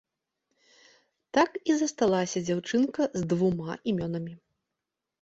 Так і засталася дзяўчынка з двума імёнамі.